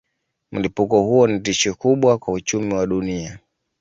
Mlipuko huo ni tishio kubwa kwa uchumi wa dunia.